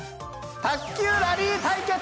卓球ラリー対決！